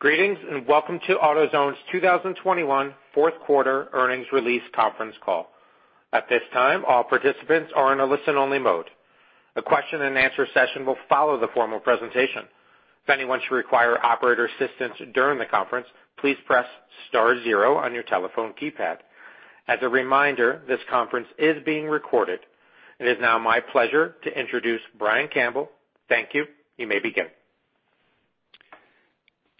Greetings, and welcome to AutoZone's 2021 fourth quarter earnings release conference call. At this time, all participants are in a listen-only mode. A question and answer session will follow the formal presentation. If anyone should require operator assistance during the conference, please press star 0 on your telephone keypad. As a reminder, this conference is being recorded. It is now my pleasure to introduce Brian Campbell. Thank you. You may begin.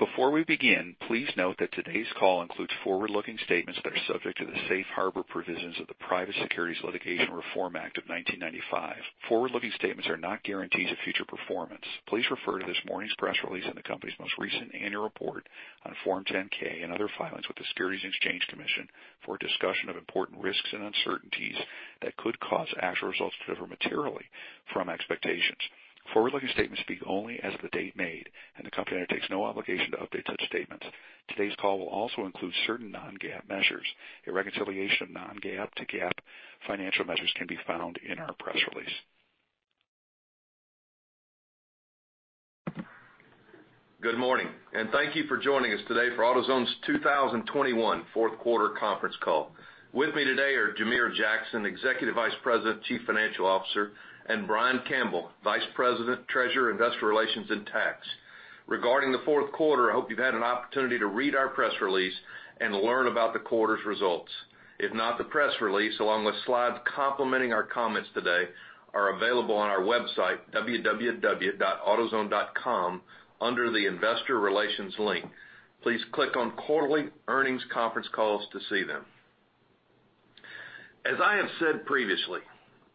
Before we begin, please note that today's call includes forward-looking statements that are subject to the safe harbor provisions of the Private Securities Litigation Reform Act of 1995. Forward-looking statements are not guarantees of future performance. Please refer to this morning's press release and the company's most recent annual report on Form 10-K and other filings with the Securities and Exchange Commission for a discussion of important risks and uncertainties that could cause actual results to differ materially from expectations. Forward-looking statements speak only as of the date made, and the company undertakes no obligation to update such statements. Today's call will also include certain non-GAAP measures. A reconciliation of non-GAAP to GAAP financial measures can be found in our press release. Good morning, and thank you for joining us today for AutoZone's 2021 fourth quarter conference call. With me today are Jamere Jackson, Executive Vice President, Chief Financial Officer, and Brian Campbell, Vice President, Treasurer, Investor Relations, and Tax. Regarding the fourth quarter, I hope you've had an opportunity to read our press release and learn about the quarter's results. If not, the press release, along with slides complementing our comments today, are available on our website, www.autozone.com, under the investor relations link. Please click on quarterly earnings conference calls to see them. As I have said previously,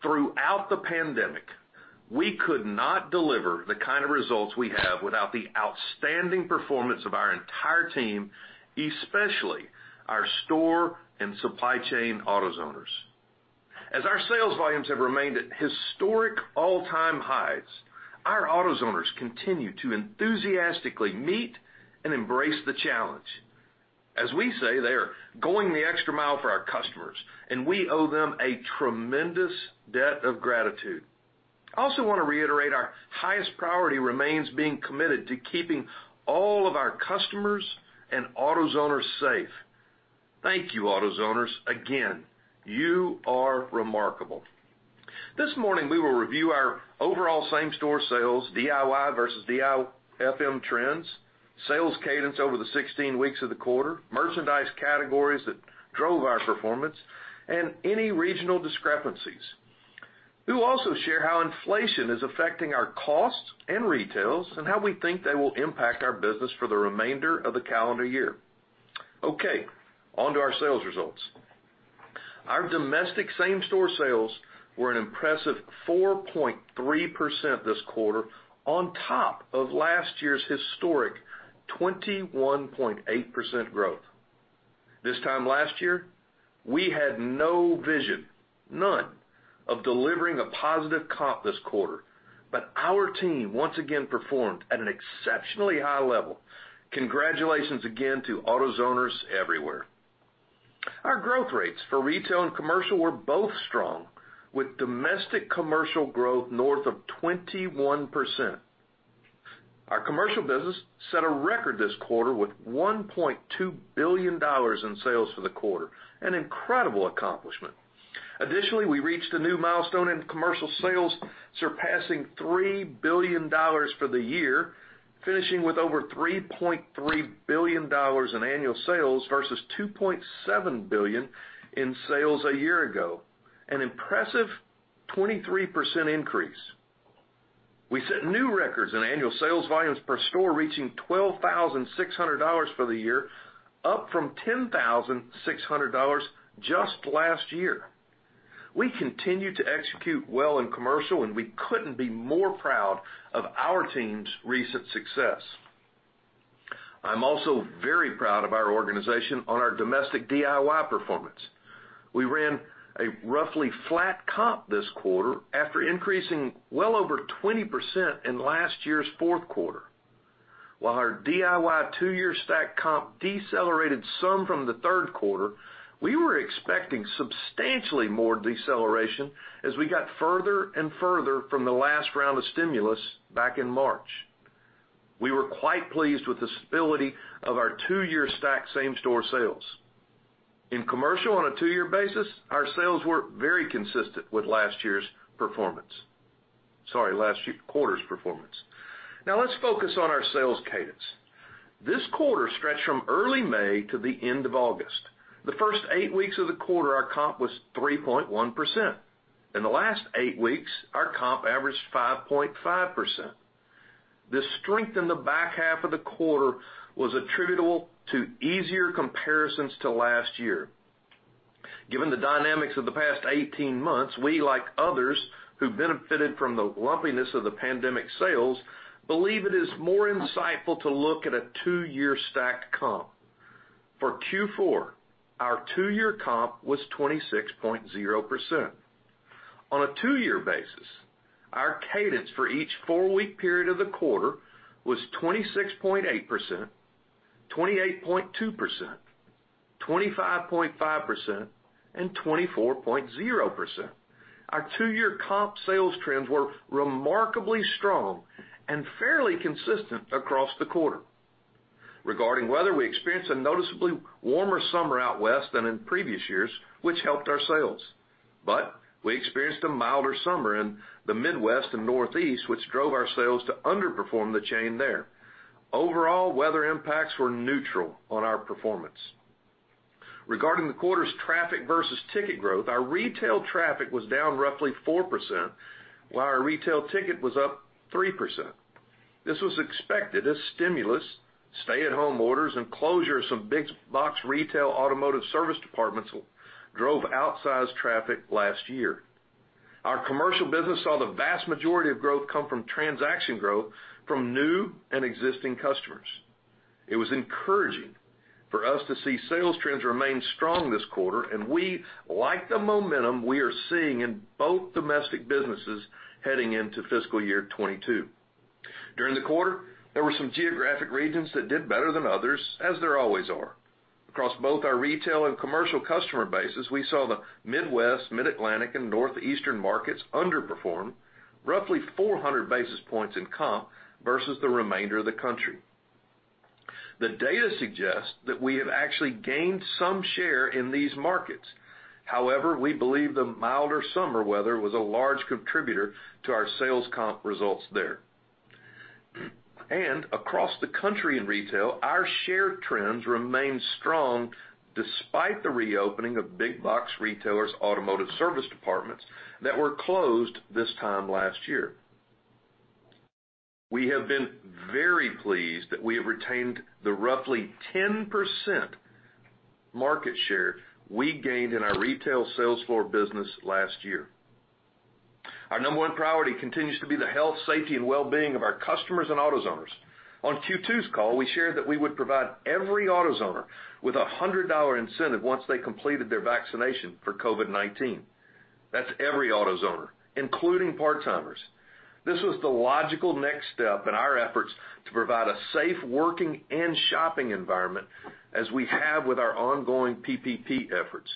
throughout the pandemic, we could not deliver the kind of results we have without the outstanding performance of our entire team, especially our store and supply chain AutoZoners. As our sales volumes have remained at historic all-time highs, our AutoZoners continue to enthusiastically meet and embrace the challenge. As we say, they are going the extra mile for our customers, and we owe them a tremendous debt of gratitude. I also want to reiterate our highest priority remains being committed to keeping all of our customers and AutoZoners safe. Thank you, AutoZoners, again. You are remarkable. This morning, we will review our overall same-store sales, DIY vs DIFM trends, sales cadence over the 16 weeks of the quarter, merchandise categories that drove our performance, and any regional discrepancies. We will also share how inflation is affecting our costs and retails and how we think they will impact our business for the remainder of the calendar year. Okay. On to our sales results. Our domestic same-store sales were an impressive 4.3% this quarter on top of last year's historic 21.8% growth. This time last year, we had no vision, none, of delivering a positive comp this quarter. Our team once again performed at an exceptionally high level. Congratulations again to AutoZoners everywhere. Our growth rates for retail and commercial were both strong, with domestic commercial growth north of 21%. Our commercial business set a record this quarter with $1.2 billion in sales for the quarter, an incredible accomplishment. Additionally, we reached a new milestone in commercial sales, surpassing $3 billion for the year, finishing with over $3.3 billion in annual sales versus $2.7 billion in sales a year ago, an impressive 23% increase. We set new records in annual sales volumes per store reaching $12,600 for the year, up from $10,600 just last year. We continue to execute well in commercial, we couldn't be more proud of our team's recent success. I'm also very proud of our organization on our domestic DIY performance. We ran a roughly flat comp this quarter after increasing well over 20% in last year's fourth quarter. While our DIY two-year stacked comp decelerated some from the third quarter, we were expecting substantially more deceleration as we got further and further from the last round of stimulus back in March. We were quite pleased with the stability of our two-year stacked same-store sales. In commercial on a two-year basis, our sales were very consistent with last year's performance. Sorry, last quarter's performance. Now let's focus on our sales cadence. This quarter stretched from early May to the end of August. The first eight weeks of the quarter, our comp was 3.1%. In the last eight weeks, our comp averaged 5.5%. The strength in the back half of the quarter was attributable to easier comparisons to last year. Given the dynamics of the past 18 months, we, like others who benefited from the lumpiness of the pandemic sales, believe it is more insightful to look at a two-year stacked comp. For Q4, our two-year comp was 26.0%. On a two-year basis, our cadence for each four-week period of the quarter was 26.8%, 28.2%, 25.5%, and 24.0%. Our two-year comp sales trends were remarkably strong and fairly consistent across the quarter. Regarding weather, we experienced a noticeably warmer summer out West than in previous years, which helped our sales. We experienced a milder summer in the Midwest and Northeast, which drove our sales to underperform the chain there. Overall, weather impacts were neutral on our performance. Regarding the quarter's traffic versus ticket growth, our retail traffic was down roughly 4%, while our retail ticket was up 3%. This was expected as stimulus, stay-at-home orders, and closure of some big box retail automotive service departments drove outsized traffic last year. Our commercial business saw the vast majority of growth come from transaction growth from new and existing customers. It was encouraging for us to see sales trends remain strong this quarter, and we like the momentum we are seeing in both domestic businesses heading into fiscal year 2022. During the quarter, there were some geographic regions that did better than others, as there always are. Across both our retail and commercial customer bases, we saw the Midwest, Mid-Atlantic, and Northeastern markets underperform roughly 400 basis points in comp versus the remainder of the country. The data suggests that we have actually gained some share in these markets. However, we believe the milder summer weather was a large contributor to our sales comp results there. Across the country in retail, our share trends remain strong despite the reopening of big box retailers automotive service departments that were closed this time last year. We have been very pleased that we have retained the roughly 10% market share we gained in our retail sales floor business last year. Our number one priority continues to be the health, safety, and wellbeing of our customers and AutoZoners. On Q2's call, we shared that we would provide every AutoZoner with a $100 incentive once they completed their vaccination for COVID-19. That's every AutoZoner, including part-timers. This was the logical next step in our efforts to provide a safe working and shopping environment as we have with our ongoing PPE efforts.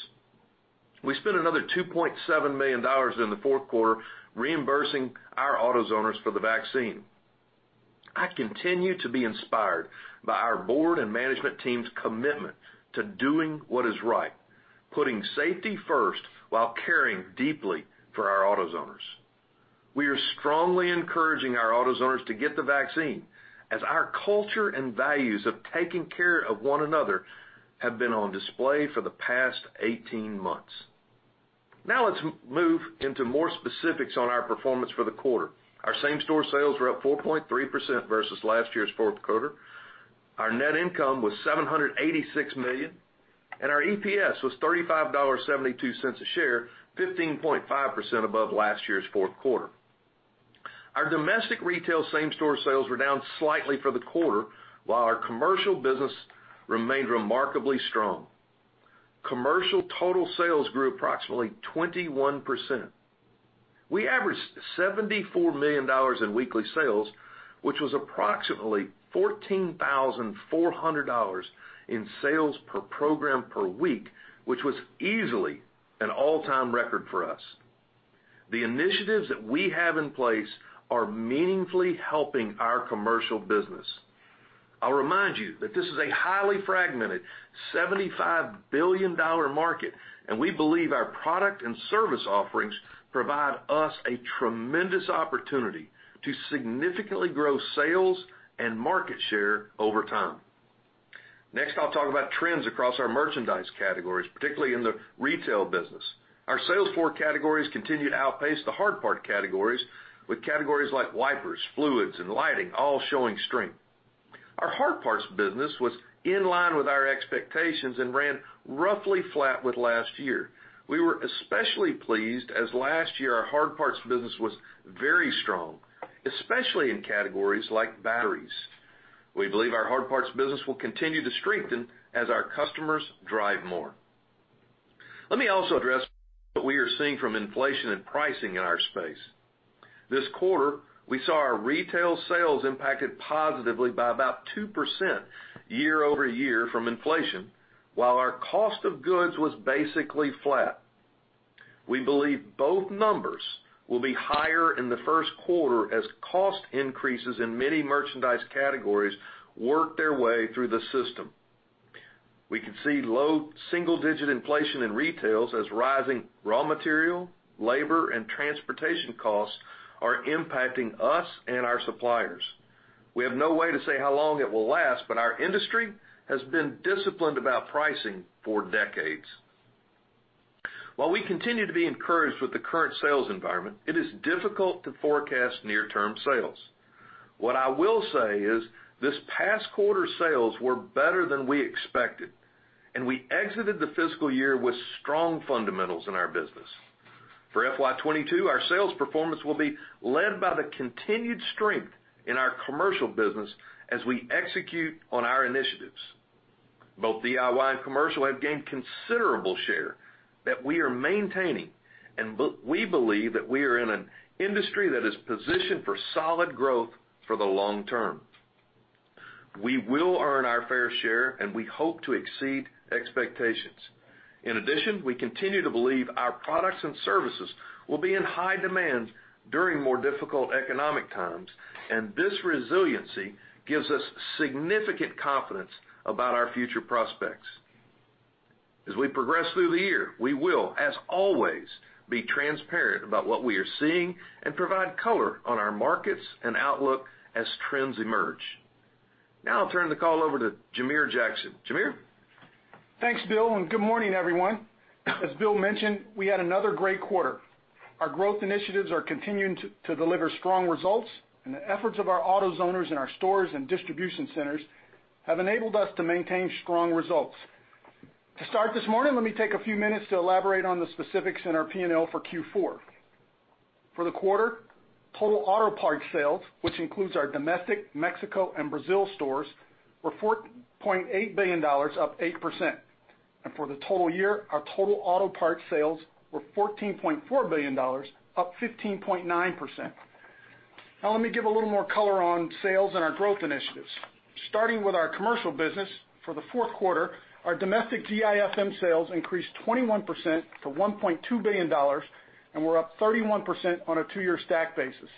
We spent another $2.7 million in the fourth quarter reimbursing our AutoZoners for the vaccine. I continue to be inspired by our board and management team's commitment to doing what is right, putting safety first while caring deeply for our AutoZoners. We are strongly encouraging our AutoZoners to get the vaccine, as our culture and values of taking care of one another have been on display for the past 18 months. Now let's move into more specifics on our performance for the quarter. Our same-store sales were up 4.3% versus last year's fourth quarter. Our net income was $786 million, and our EPS was $35.72 a share, 15.5% above last year's fourth quarter. Our domestic retail same-store sales were down slightly for the quarter, while our commercial business remained remarkably strong. Commercial total sales grew approximately 21%. We averaged $74 million in weekly sales, which was approximately $14,400 in sales per program per week, which was easily an all-time record for us. The initiatives that we have in place are meaningfully helping our commercial business. I'll remind you that this is a highly fragmented, $75 billion market, and we believe our product and service offerings provide us a tremendous opportunity to significantly grow sales and market share over time. Next, I'll talk about trends across our merchandise categories, particularly in the retail business. Our sales floor categories continue to outpace the hard part categories with categories like wipers, fluids, and lighting all showing strength. Our hard parts business was in line with our expectations and ran roughly flat with last year. We were especially pleased as last year our hard parts business was very strong, especially in categories like batteries. We believe our hard parts business will continue to strengthen as our customers drive more. Let me also address what we are seeing from inflation and pricing in our space. This quarter, we saw our retail sales impacted positively by about 2% year-over-year from inflation, while our cost of goods was basically flat. We believe both numbers will be higher in the first quarter as cost increases in many merchandise categories work their way through the system. We can see low single-digit inflation in retails as rising raw material, labor, and transportation costs are impacting us and our suppliers. We have no way to say how long it will last, but our industry has been disciplined about pricing for decades. While we continue to be encouraged with the current sales environment, it is difficult to forecast near-term sales. What I will say is this past quarter's sales were better than we expected, and we exited the fiscal year with strong fundamentals in our business. For FY22, our sales performance will be led by the continued strength in our commercial business as we execute on our initiatives. Both DIY and commercial have gained considerable share that we are maintaining, and we believe that we are in an industry that is positioned for solid growth for the long term. We will earn our fair share, and we hope to exceed expectations. In addition, we continue to believe our products and services will be in high demand during more difficult economic times, and this resiliency gives us significant confidence about our future prospects. As we progress through the year, we will, as always, be transparent about what we are seeing and provide color on our markets and outlook as trends emerge. Now I'll turn the call over to Jamere Jackson. Jamere? Thanks, Bill. Good morning, everyone. As Bill mentioned, we had another great quarter. Our growth initiatives are continuing to deliver strong results, and the efforts of our AutoZoners in our stores and distribution centers have enabled us to maintain strong results. To start this morning, let me take a few minutes to elaborate on the specifics in our P&L for Q4. For the quarter, total auto parts sales, which includes our domestic, Mexico, and Brazil stores, were $4.8 billion, up 8%. For the total year, our total auto parts sales were $14.4 billion, up 15.9%. Now, let me give a little more color on sales and our growth initiatives. Starting with our commercial business, for the fourth quarter, our domestic DIFM sales increased 21% to $1.2 billion, and we're up 31% on a two-year stack basis.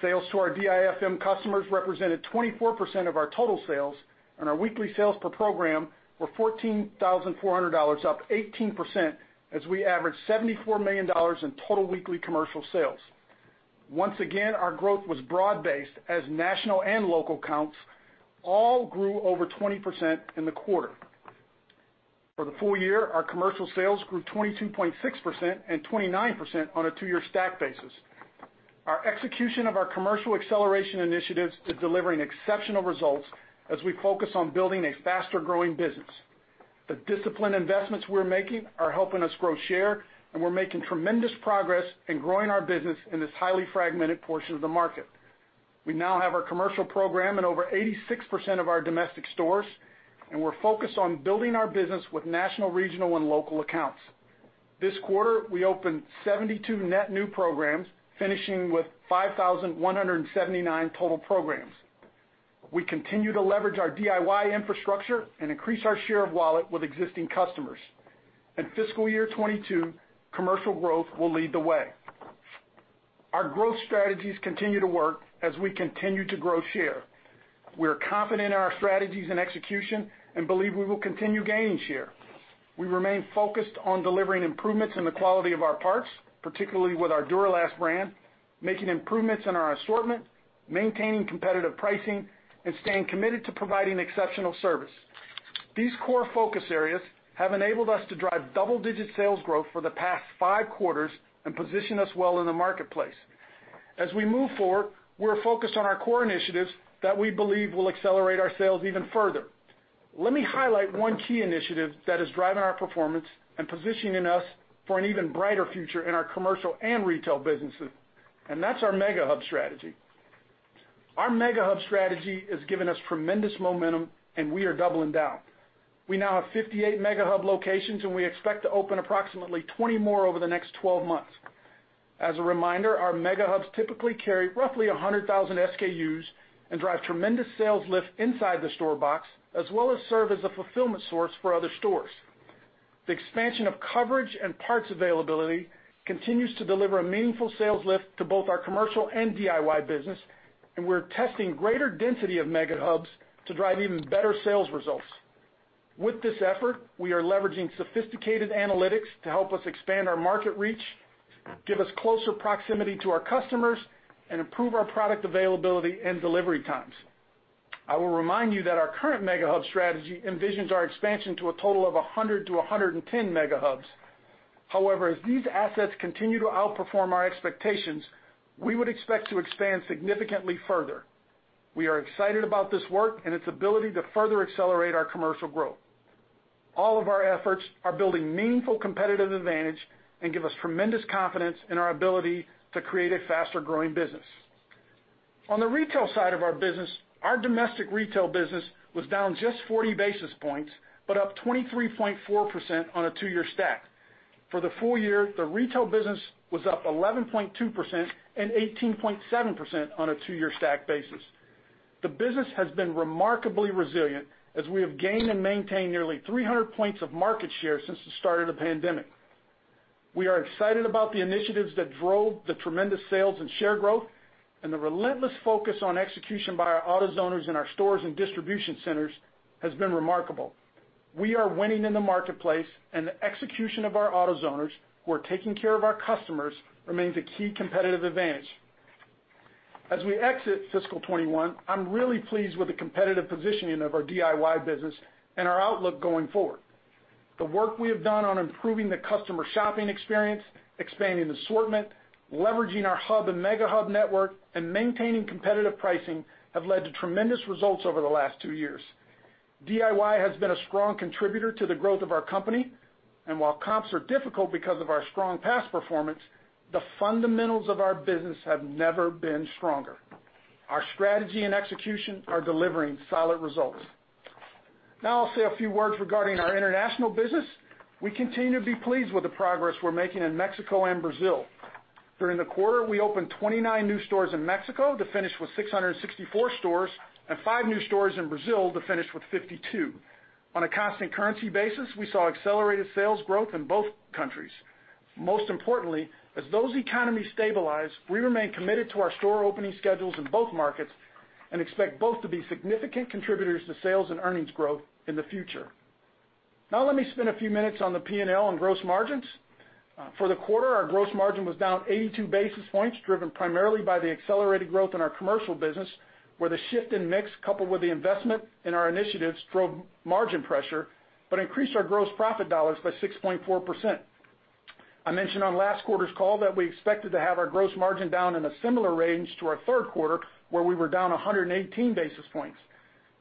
Sales to our DIFM customers represented 24% of our total sales, and our weekly sales per program were $14,400, up 18%, as we averaged $74 million in total weekly commercial sales. Once again, our growth was broad-based, as national and local accounts all grew over 20% in the quarter. For the full year, our commercial sales grew 22.6% and 29% on a two-year stack basis. Our execution of our Commercial Acceleration Initiatives is delivering exceptional results as we focus on building a faster-growing business. The disciplined investments we're making are helping us grow share, and we're making tremendous progress in growing our business in this highly fragmented portion of the market. We now have our commercial program in over 86% of our domestic stores, and we're focused on building our business with national, regional, and local accounts. This quarter, we opened 72 net new programs, finishing with 5,179 total programs. We continue to leverage our DIY infrastructure and increase our share of wallet with existing customers. In fiscal year 2022, commercial growth will lead the way. Our growth strategies continue to work as we continue to grow share. We are confident in our strategies and execution and believe we will continue gaining share. We remain focused on delivering improvements in the quality of our parts, particularly with our Duralast brand, making improvements in our assortment, maintaining competitive pricing, and staying committed to providing exceptional service. These core focus areas have enabled us to drive double-digit sales growth for the past five quarters and position us well in the marketplace. As we move forward, we're focused on our core initiatives that we believe will accelerate our sales even further. Let me highlight one key initiative that is driving our performance and positioning us for an even brighter future in our commercial and retail businesses, that's our mega hub strategy. Our mega hub strategy has given us tremendous momentum, we are doubling down. We now have 58 mega hub locations, we expect to open approximately 20 more over the next 12 months. As a reminder, our mega hubs typically carry roughly 100,000 SKUs and drive tremendous sales lift inside the store box, as well as serve as a fulfillment source for other stores. The expansion of coverage and parts availability continues to deliver a meaningful sales lift to both our commercial and DIY business, we're testing greater density of mega hubs to drive even better sales results. With this effort, we are leveraging sophisticated analytics to help us expand our market reach, give us closer proximity to our customers, and improve our product availability and delivery times. I will remind you that our current mega hub strategy envisions our expansion to a total of 100 mega hubs-110 mega hubs. However, as these assets continue to outperform our expectations, we would expect to expand significantly further. We are excited about this work and its ability to further accelerate our commercial growth. All of our efforts are building meaningful competitive advantage and give us tremendous confidence in our ability to create a faster-growing business. On the retail side of our business, our domestic retail business was down just 40 basis points, but up 23.4% on a two-year stack. For the full year, the retail business was up 11.2% and 18.7% on a two-year stack basis. The business has been remarkably resilient as we have gained and maintained nearly 300 points of market share since the start of the pandemic. We are excited about the initiatives that drove the tremendous sales and share growth, and the relentless focus on execution by our AutoZoners in our stores and distribution centers has been remarkable. We are winning in the marketplace, and the execution of our AutoZoners, who are taking care of our customers, remains a key competitive advantage. As we exit fiscal year 2021, I'm really pleased with the competitive positioning of our DIY business and our outlook going forward. The work we have done on improving the customer shopping experience, expanding the assortment, leveraging our hub and mega hub network, and maintaining competitive pricing have led to tremendous results over the last two years. DIY has been a strong contributor to the growth of our company, while comps are difficult because of our strong past performance, the fundamentals of our business have never been stronger. Our strategy and execution are delivering solid results. I'll say a few words regarding our international business. We continue to be pleased with the progress we're making in Mexico and Brazil. During the quarter, we opened 29 new stores in Mexico to finish with 664 stores, and five new stores in Brazil to finish with 52. On a constant currency basis, we saw accelerated sales growth in both countries. Most importantly, as those economies stabilize, we remain committed to our store opening schedules in both markets and expect both to be significant contributors to sales and earnings growth in the future. Let me spend a few minutes on the P&L and gross margins. For the quarter, our gross margin was down 82 basis points, driven primarily by the accelerated growth in our commercial business, where the shift in mix, coupled with the investment in our initiatives, drove margin pressure but increased our gross profit dollars by 6.4%. I mentioned on last quarter's call that we expected to have our gross margin down in a similar range to our third quarter, where we were down 118 basis points.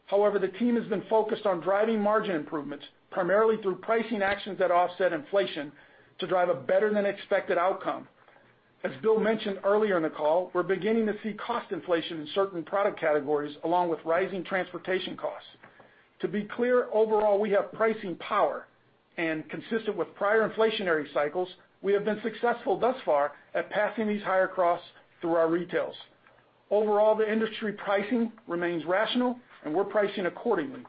However, the team has been focused on driving margin improvements primarily through pricing actions that offset inflation to drive a better-than-expected outcome. As Bill mentioned earlier in the call, we're beginning to see cost inflation in certain product categories, along with rising transportation costs. To be clear, overall, we have pricing power. Consistent with prior inflationary cycles, we have been successful thus far at passing these higher costs through our retails. Overall, the industry pricing remains rational, and we're pricing accordingly.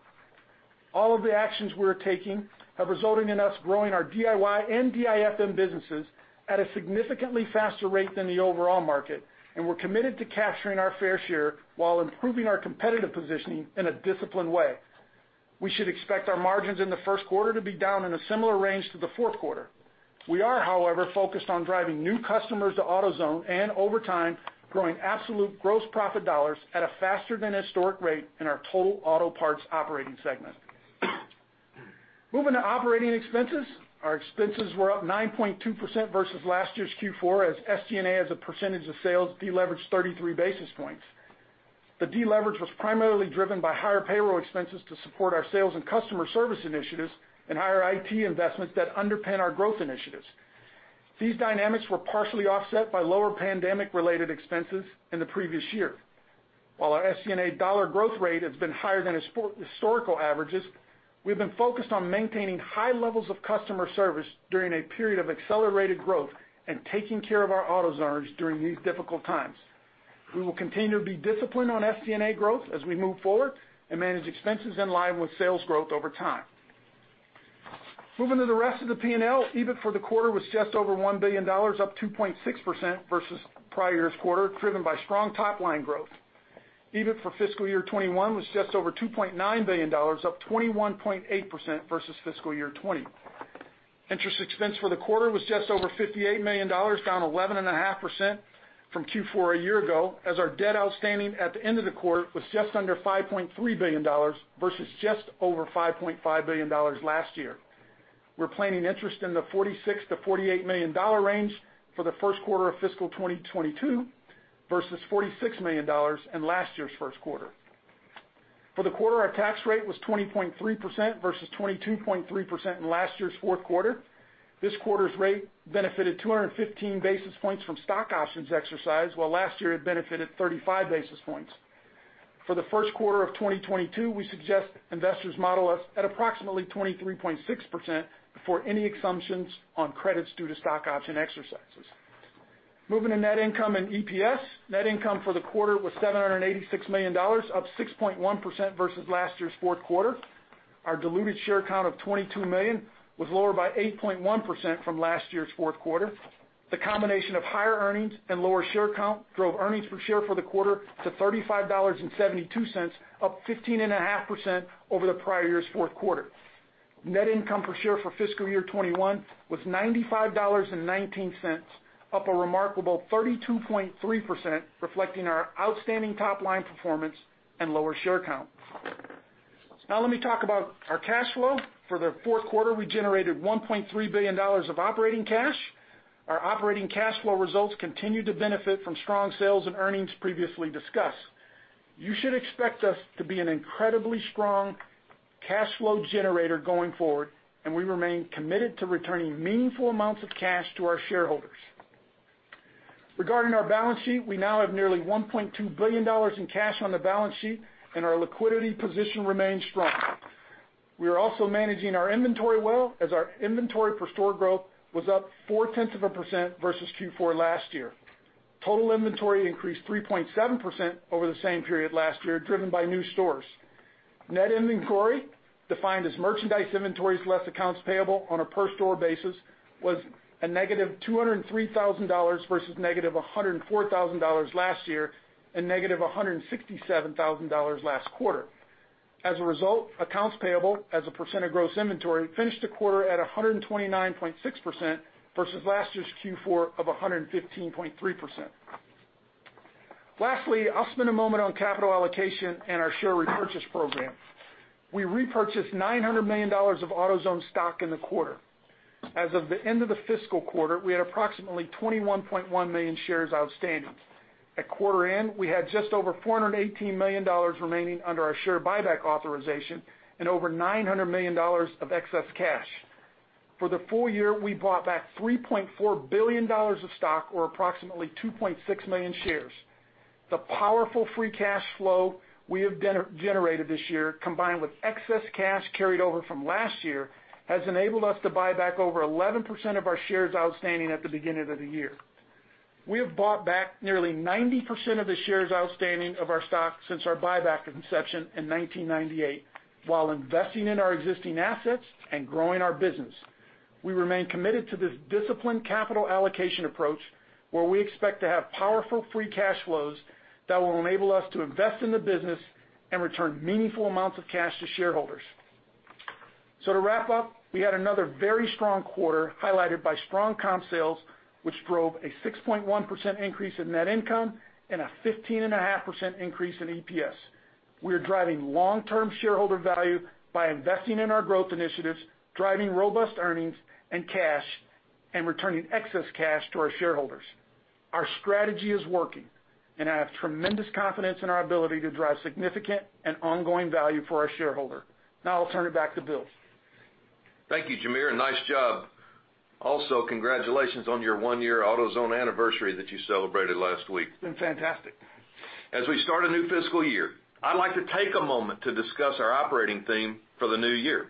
All of the actions we are taking have resulted in us growing our DIY and DIFM businesses at a significantly faster rate than the overall market, and we're committed to capturing our fair share while improving our competitive positioning in a disciplined way. We should expect our margins in the first quarter to be down in a similar range to the fourth quarter. We are, however, focused on driving new customers to AutoZone and over time, growing absolute gross profit dollars at a faster than historic rate in our total auto parts operating segment. Moving to operating expenses. Our expenses were up 9.2% versus last year's Q4 as SG&A as a percentage of sales deleveraged 33 basis points. The deleverage was primarily driven by higher payroll expenses to support our sales and customer service initiatives and higher IT investments that underpin our growth initiatives. These dynamics were partially offset by lower pandemic-related expenses in the previous year. While our SG&A dollar growth rate has been higher than historical averages, we've been focused on maintaining high levels of customer service during a period of accelerated growth and taking care of our AutoZoners during these difficult times. We will continue to be disciplined on SG&A growth as we move forward and manage expenses in line with sales growth over time. Moving to the rest of the P&L, EBIT for the quarter was just over $1 billion, up 2.6% versus prior year's quarter, driven by strong top-line growth. EBIT for fiscal year 2021 was just over $2.9 billion, up 21.8% versus fiscal year 2020. Interest expense for the quarter was just over $58 million, down 11.5% from Q4 a year ago, as our debt outstanding at the end of the quarter was just under $5.3 billion versus just over $5.5 billion last year. We're planning interest in the $46 million-$48 million range for the first quarter of fiscal 2022 versus $46 million in last year's first quarter. For the quarter, our tax rate was 20.3% versus 22.3% in last year's fourth quarter. This quarter's rate benefited 215 basis points from stock options exercised, while last year it benefited 35 basis points. For the first quarter of 2022, we suggest investors model us at approximately 23.6% before any assumptions on credits due to stock option exercises. Moving to net income and EPS. Net income for the quarter was $786 million, up 6.1% versus last year's fourth quarter. Our diluted share count of 22 million was lower by 8.1% from last year's fourth quarter. The combination of higher earnings and lower share count drove earnings per share for the quarter to $35.72, up 15.5% over the prior year's fourth quarter. Net income per share for fiscal year 2021 was $95.19, up a remarkable 32.3%, reflecting our outstanding top-line performance and lower share count. Let me talk about our cash flow. For the fourth quarter, we generated $1.3 billion of operating cash. Our operating cash flow results continue to benefit from strong sales and earnings previously discussed. You should expect us to be an incredibly strong cash flow generator going forward, and we remain committed to returning meaningful amounts of cash to our shareholders. Regarding our balance sheet, we now have nearly $1.2 billion in cash on the balance sheet, and our liquidity position remains strong. We are also managing our inventory well, as our inventory per store growth was up 0.4% versus Q4 last year. Total inventory increased 3.7% over the same period last year, driven by new stores. Net inventory, defined as merchandise inventories less accounts payable on a per store basis, was -$203,000 versus -$104,000 last year and -$167,000 last quarter. As a result, accounts payable as a percent of gross inventory finished the quarter at 129.6% versus last year's Q4 of 115.3%. Lastly, I'll spend a moment on capital allocation and our share repurchase program. We repurchased $900 million of AutoZone stock in the quarter. As of the end of the fiscal quarter, we had approximately 21.1 million shares outstanding. At quarter end, we had just over $418 million remaining under our share buyback authorization and over $900 million of excess cash. For the full year, we bought back $3.4 billion of stock, or approximately 2.6 million shares. The powerful free cash flow we have generated this year, combined with excess cash carried over from last year, has enabled us to buy back over 11% of our shares outstanding at the beginning of the year. We have bought back nearly 90% of the shares outstanding of our stock since our buyback inception in 1998 while investing in our existing assets and growing our business. We remain committed to this disciplined capital allocation approach, where we expect to have powerful free cash flows that will enable us to invest in the business and return meaningful amounts of cash to shareholders. To wrap up, we had another very strong quarter highlighted by strong comp sales, which drove a 6.1% increase in net income and a 15.5% increase in EPS. We are driving long-term shareholder value by investing in our growth initiatives, driving robust earnings and cash, and returning excess cash to our shareholders. Our strategy is working, and I have tremendous confidence in our ability to drive significant and ongoing value for our shareholder. I'll turn it back to Bill. Thank you, Jamere. Nice job. Also, congratulations on your one-year AutoZone anniversary that you celebrated last week. It's been fantastic. As we start a new fiscal year, I'd like to take a moment to discuss our operating theme for the new year.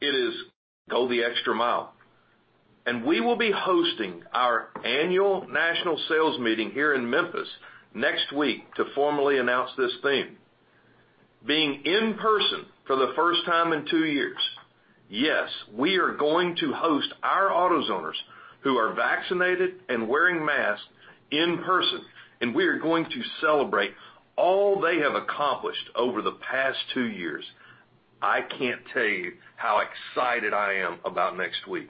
It is Go the Extra Mile. We will be hosting our annual National Sales Meeting here in Memphis next week to formally announce this theme. Being in person for the first time in two years, yes, we are going to host our AutoZoners who are vaccinated and wearing masks in person, and we are going to celebrate all they have accomplished over the past two years. I can't tell you how excited I am about next week.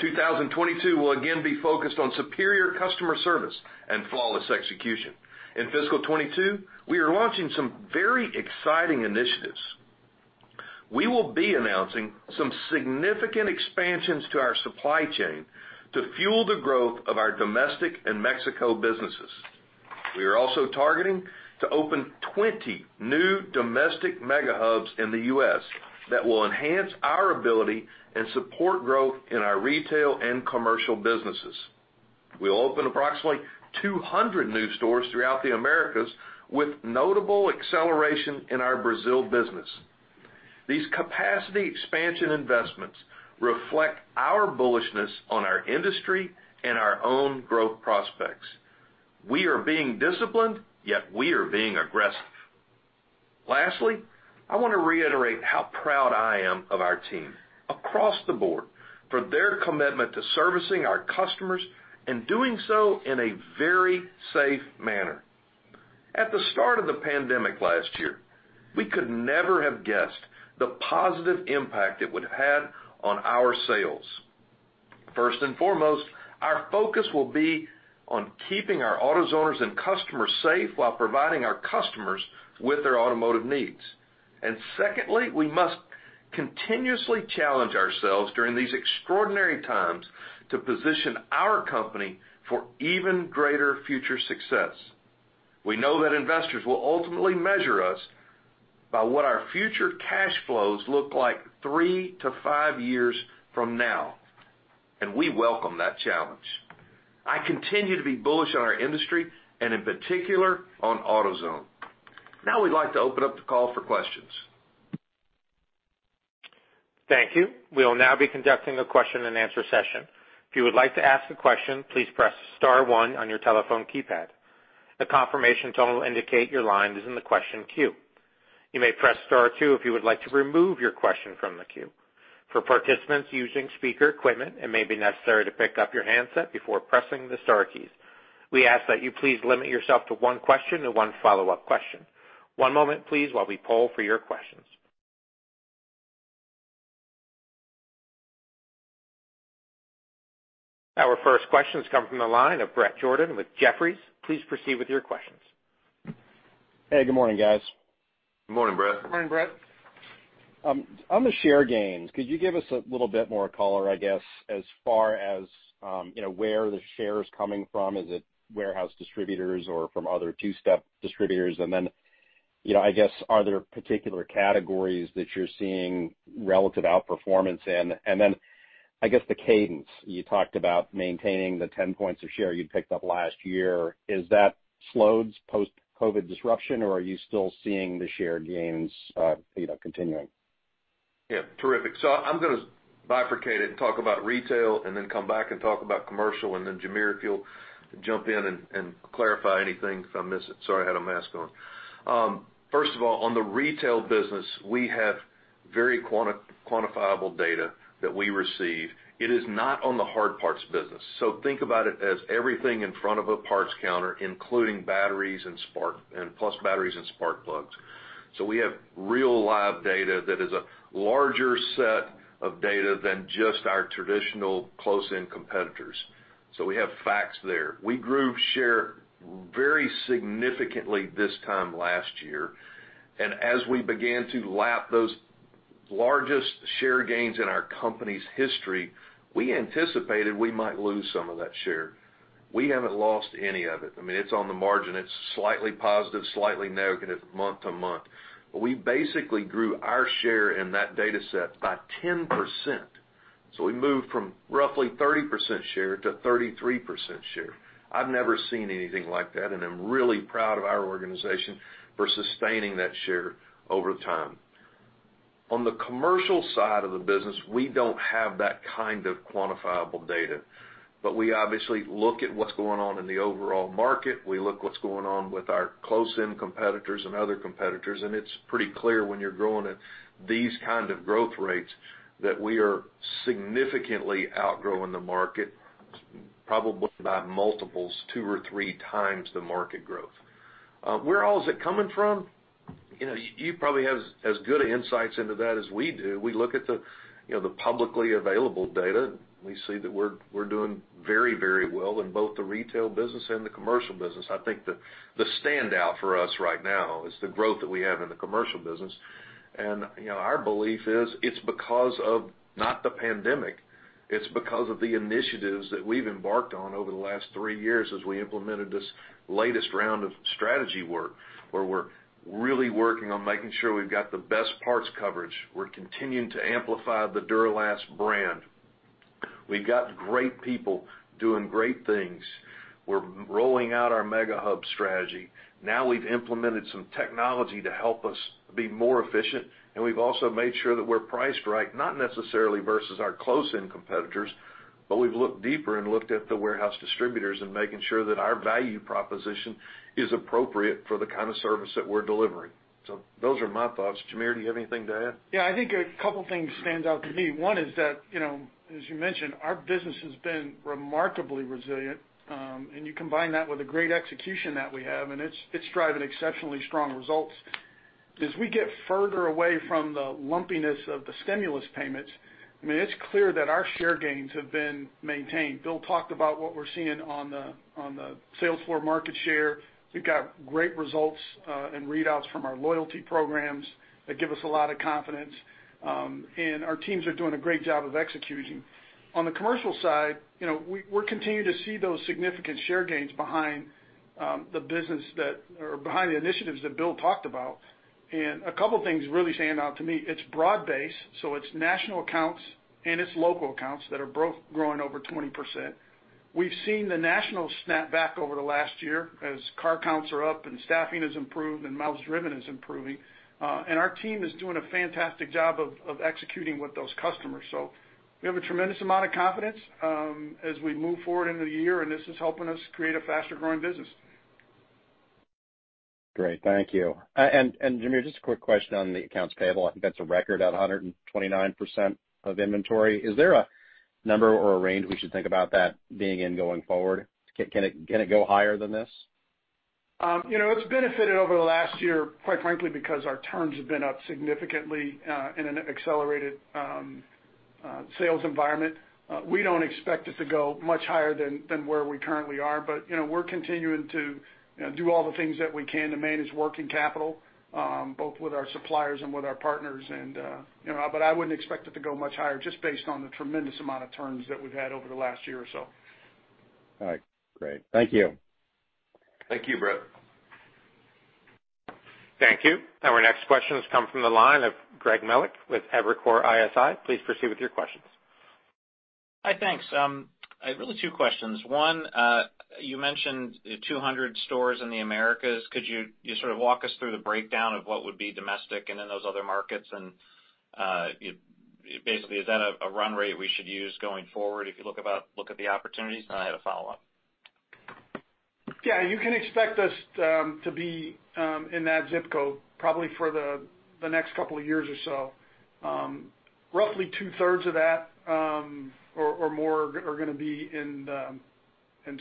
2022 will again be focused on superior customer service and flawless execution. In fiscal 2022, we are launching some very exciting initiatives. We will be announcing some significant expansions to our supply chain to fuel the growth of our domestic and Mexico businesses. We are also targeting to open 20 new domestic mega hubs in the U.S. that will enhance our ability and support growth in our retail and commercial businesses. We'll open approximately 200 new stores throughout the Americas with notable acceleration in our Brazil business. These capacity expansion investments reflect our bullishness on our industry and our own growth prospects. We are being disciplined, yet we are being aggressive. Lastly, I want to reiterate how proud I am of our team across the board for their commitment to servicing our customers and doing so in a very safe manner. At the start of the pandemic last year, we could never have guessed the positive impact it would have on our sales. First and foremost, our focus will be on keeping our AutoZoners and customers safe while providing our customers with their automotive needs. Secondly, we must continuously challenge ourselves during these extraordinary times to position our company for even greater future success. We know that investors will ultimately measure us by what our future cash flows look like three to five years from now, and we welcome that challenge. I continue to be bullish on our industry, and in particular on AutoZone. We'd like to open up the call for questions. Thank you. We'll now be conducting a question and answer session. If you would like to ask a question, please press star one on your telephone keypad. The confirmation tone will indicate your line is in the question queue. You may press star two if you would like to remove your question from the queue. For participants using speaker equipment, it may be necessary to pick up your handset before pressing the star keys. We ask that you please limit yourself to one question and one follow-up question. One moment, please, while we poll for your questions. Our first question comes from the line of Bret Jordan with Jefferies. Please proceed with your questions. Hey, good morning, guys. Good morning, Bret. Morning, Bret. On the share gains, could you give us a little bit more color, I guess, as far as where the share is coming from? Is it warehouse distributors or from other two-step distributors? Are there particular categories that you're seeing relative outperformance in? The cadence, you talked about maintaining the 10 points of share you picked up last year. Is that slowed post-COVID disruption, or are you still seeing the share gains continuing? I'm going to bifurcate it and talk about retail, and then come back and talk about commercial, and then Jamere, if you'll jump in and clarify anything if I miss it. Sorry, I had a mask on. First of all, on the retail business, we have very quantifiable data that we receive. It is not on the hard parts business. Think about it as everything in front of a parts counter, including batteries and spark, and plus batteries and spark plugs. We have real live data that is a larger set of data than just our traditional close-in competitors. We have facts there. We grew share very significantly this time last year, and as we began to lap those largest share gains in our company's history, we anticipated we might lose some of that share. We haven't lost any of it. It's on the margin. It's slightly positive, slightly negative month-to-month. We basically grew our share in that data set by 10%. We moved from roughly 30% share to 33% share. I've never seen anything like that, and I'm really proud of our organization for sustaining that share over time. On the commercial side of the business, we don't have that kind of quantifiable data. We obviously look at what's going on in the overall market. We look what's going on with our close-in competitors and other competitors, and it's pretty clear when you're growing at these kind of growth rates, that we are significantly outgrowing the market probably by multiples 2x or 3x the market growth. Where all is it coming from? You probably have as good insights into that as we do. We look at the publicly available data. We see that we're doing very well in both the retail business and the commercial business. I think the standout for us right now is the growth that we have in the commercial business. Our belief is it's because of not the pandemic, it's because of the initiatives that we've embarked on over the last three years as we implemented this latest round of strategy work, where we're really working on making sure we've got the best parts coverage. We're continuing to amplify the Duralast brand. We've got great people doing great things. We're rolling out our mega hub strategy. Now we've implemented some technology to help us be more efficient, and we've also made sure that we're priced right, not necessarily versus our close-in competitors, but we've looked deeper and looked at the warehouse distributors and making sure that our value proposition is appropriate for the kind of service that we're delivering. Those are my thoughts. Jamere, do you have anything to add? Yeah, I think a couple of things stand out to me. One is that, as you mentioned, our business has been remarkably resilient. You combine that with the great execution that we have, and it's driving exceptionally strong results. As we get further away from the lumpiness of the stimulus payments, it's clear that our share gains have been maintained. Bill talked about what we're seeing on the sales floor market share. We've got great results and readouts from our loyalty programs that give us a lot of confidence. Our teams are doing a great job of executing. On the commercial side, we're continuing to see those significant share gains behind the initiatives that Bill talked about. A couple of things really stand out to me. It's broad-based, so it's national accounts and its local accounts that are both growing over 20%. We've seen the national snapback over the last year as car counts are up and staffing has improved and miles driven is improving. Our team is doing a fantastic job of executing with those customers. We have a tremendous amount of confidence as we move forward into the year, this is helping us create a faster growing business. Great. Thank you. Jamere, just a quick question on the accounts payable. I think that's a record at 129% of inventory. Is there a number or a range we should think about that being in going forward? Can it go higher than this? It's benefited over the last year, quite frankly, because our turns have been up significantly in an accelerated sales environment. We don't expect it to go much higher than where we currently are, but we're continuing to do all the things that we can to manage working capital, both with our suppliers and with our partners. I wouldn't expect it to go much higher just based on the tremendous amount of turns that we've had over the last year or so. All right, great. Thank you. Thank you, Bret Jordan. Thank you. Our next question comes from the line of Greg Melich with Evercore ISI. Please proceed with your questions. Hi, thanks. I have really two questions. One, you mentioned 200 stores in the Americas. Could you sort of walk us through the breakdown of what would be domestic and in those other markets? Basically, is that a run rate we should use going forward if you look at the opportunities? I had a follow-up. Yeah, you can expect us to be in that ZIP code probably for the next couple of years or so. Roughly two-thirds of that or more are going to be in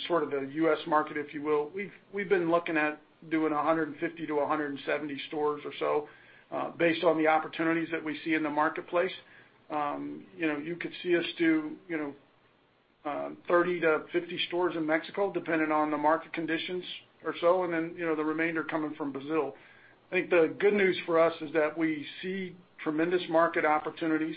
sort of the U.S. market, if you will. We've been looking at doing 150 stores-170 stores or so based on the opportunities that we see in the marketplace. You could see us do 30 stores-50 stores in Mexico, depending on the market conditions or so, the remainder coming from Brazil. I think the good news for us is that we see tremendous market opportunities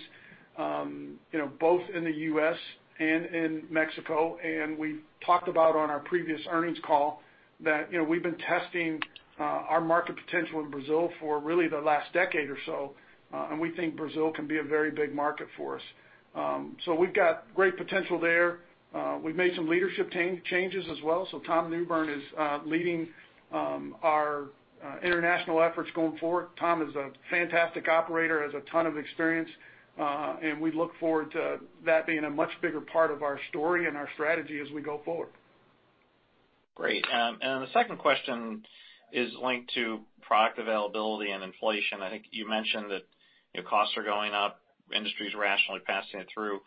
both in the U.S. and in Mexico. We've talked about on our previous earnings call that we've been testing our market potential in Brazil for really the last decade or so, we think Brazil can be a very big market for us. We've got great potential there. We've made some leadership changes as well. Tom Newbern is leading our international efforts going forward. Tom is a fantastic operator, has a ton of experience, and we look forward to that being a much bigger part of our story and our strategy as we go forward. Great. The second question is linked to product availability and inflation. I think you mentioned that costs are going up, industry's rationally passing it through.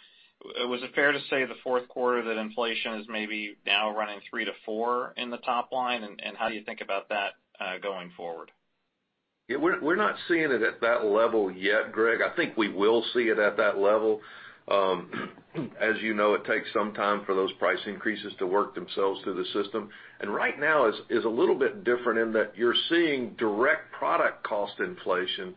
Was it fair to say the fourth quarter that inflation is maybe now running 3%-4% in the top line? How do you think about that going forward? We're not seeing it at that level yet, Greg. I think we will see it at that level. As you know, it takes some time for those price increases to work themselves through the system. Right now is a little bit different in that you're seeing direct product cost inflation,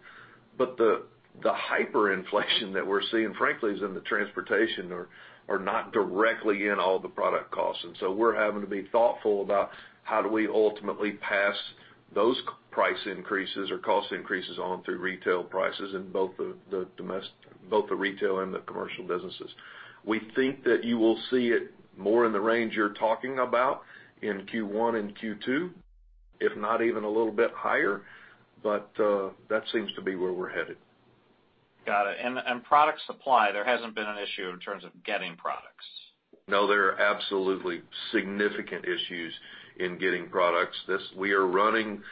but the hyperinflation that we're seeing, frankly, is in the transportation or not directly in all the product costs. We're having to be thoughtful about how do we ultimately pass those price increases or cost increases on through retail prices in both the retail and the commercial businesses. We think that you will see it more in the range you're talking about in Q1 and Q2, if not even a little bit higher. That seems to be where we're headed. Got it. Product supply, there hasn't been an issue in terms of getting products. No, there are absolutely significant issues in getting products. We are running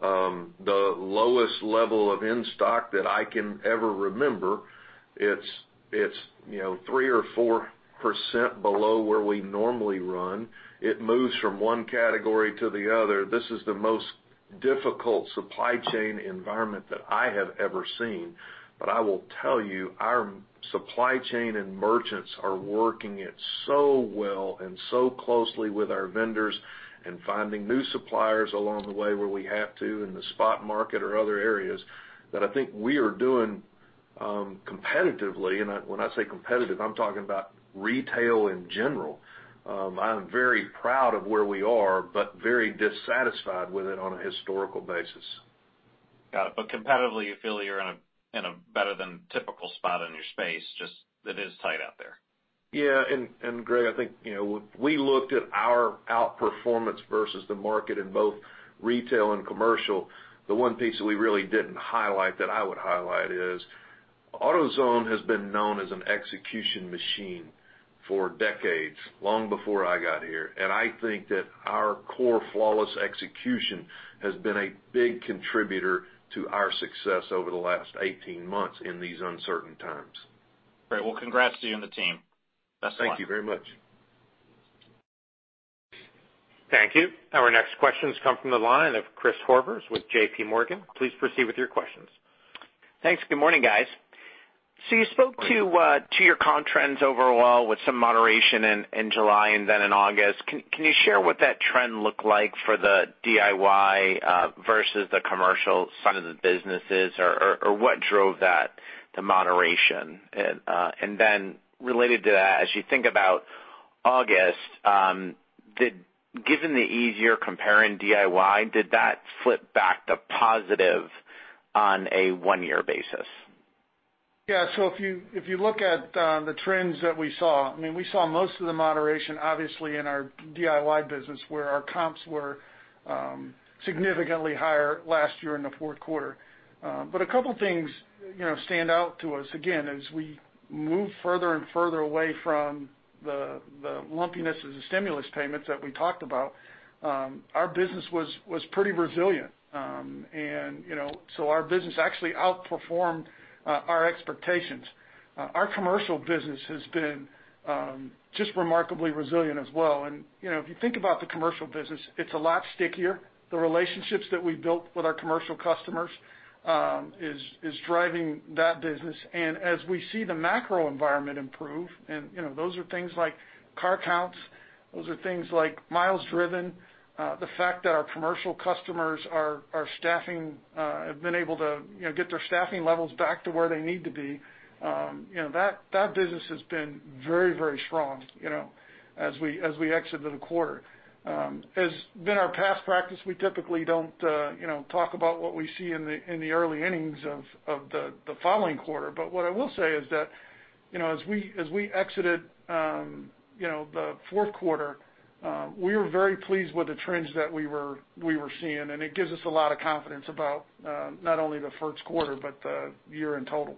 the lowest level of in-stock that I can ever remember. It's 3% or 4% below where we normally run. It moves from one category to the other. This is the most difficult supply chain environment that I have ever seen. I will tell you, our supply chain and merchants are working it so well and so closely with our vendors and finding new suppliers along the way where we have to in the spot market or other areas, that I think we are doing competitively. When I say competitive, I'm talking about retail in general. I'm very proud of where we are, but very dissatisfied with it on a historical basis. Got it. Competitively, you feel you're in a better than typical spot in your space, just it is tight out there. Yeah. Greg, I think, we looked at our outperformance versus the market in both retail and commercial. The one piece that we really didn't highlight that I would highlight is AutoZone has been known as an execution machine for decades, long before I got here. I think that our core flawless execution has been a big contributor to our success over the last 18 months in these uncertain times. Great. Well, congrats to you and the team. Best one. Thank you very much. Thank you. Our next questions come from the line of Christopher Horvers with JPMorgan. Please proceed with your questions. Thanks. Good morning, guys. You spoke to your comp trends overall with some moderation in July and then in August. Can you share what that trend looked like for the DIY versus the commercial side of the businesses or what drove that to moderation? Related to that, as you think about August, given the easier comparing DIY, did that flip back to positive on a one-year basis? Yeah. If you look at the trends that we saw, we saw most of the moderation, obviously, in our DIY business, where our comps were significantly higher last year in the fourth quarter. A couple things stand out to us. Again, as we move further and further away from the lumpiness of the stimulus payments that we talked about, our business was pretty resilient. Our business actually outperformed our expectations. Our commercial business has been just remarkably resilient as well. If you think about the commercial business, it's a lot stickier. The relationships that we've built with our commercial customers is driving that business. As we see the macro environment improve, and those are things like car counts, those are things like miles driven, the fact that our commercial customers have been able to get their staffing levels back to where they need to be. That business has been very strong as we exited the quarter. As been our past practice, we typically don't talk about what we see in the early innings of the following quarter. What I will say is that as we exited the fourth quarter, we were very pleased with the trends that we were seeing, and it gives us a lot of confidence about not only the first quarter, but the year in total.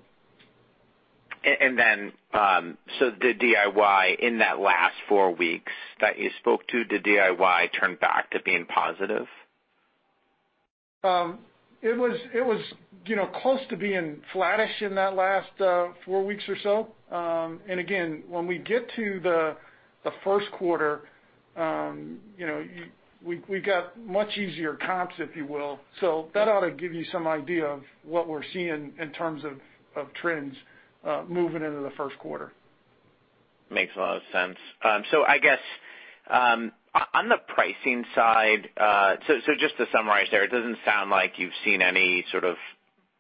The DIY in that last four weeks that you spoke to, did DIY turn back to being positive? It was close to being flattish in that last four weeks or so. Again, when we get to the first quarter, we got much easier comps, if you will. That ought to give you some idea of what we're seeing in terms of trends moving into the first quarter. Makes a lot of sense. I guess, on the pricing side, just to summarize there, it doesn't sound like you've seen any sort of